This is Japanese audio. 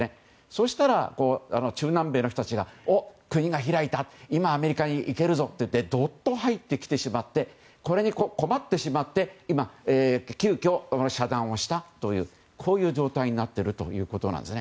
そうしたら中南米の人たちが国が開いたアメリカに行けるぞとどっと入ってきてしまってこれに困ってしまって今、急きょ遮断をしたというこういう状態になっているということです。